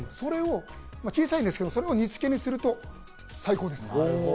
小さいんですけど、それを煮付けにすると最高です。